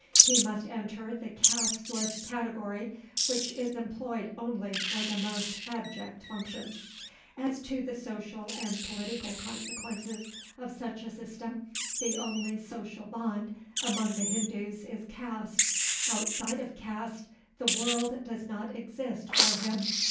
He must enter the casteless category, which is employed only for the most abject functions. As to the social and political consequences of such a system, the only social bond among the Hindus is caste. Outside of caste the world does not exist for him.